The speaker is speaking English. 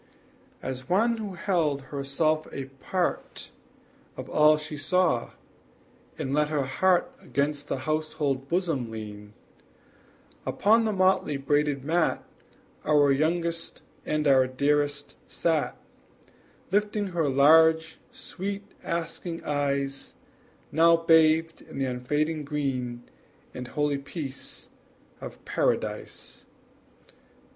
As one who held herself a part Of all she saw, and let her heart Against the household bosom lean, Upon the motley braided mat Our youngest and our dearest sat, Lifting her large, sweet, asking eyes, Now bathed in the unfading green And holy peace of Paradise.